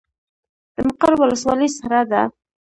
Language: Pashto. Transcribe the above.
د مقر ولسوالۍ سړه ده